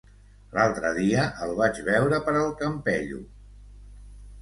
L'altre dia el vaig veure per el Campello.